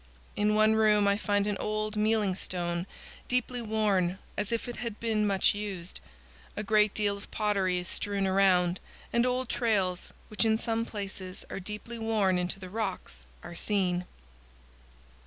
In one room I find an old mealing stone, deeply worn, as if it had been much used. A great deal of pottery is strewn around, and old trails, which in some places are deeply worn into the rocks, are seen.